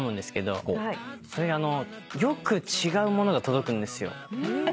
それがよく違うものが届くんですよ。